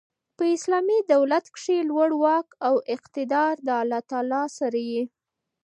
په اسلامي دولت کښي لوړ واک او اقتدار د الله تعالی سره يي.